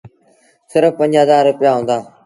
سرڦ پنج هزآر رپيآ هُݩدآ۔